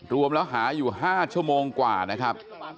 รวมแล้วหาอยู่๕ชั่วโมงกว่านะครับ